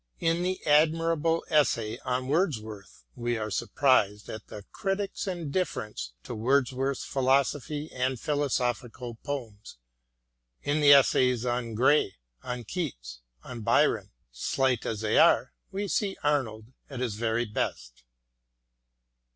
In the admirable essay on Wordsworth we are surprised at the critic's indifference to Wordsworth's philosophy and philosophical poems ; in the essays on Gray, on Keats, on Byron, slight as they are, we see Arnold at his very best.